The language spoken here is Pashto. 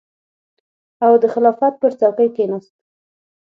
او د خلافت پر څوکۍ کېناست.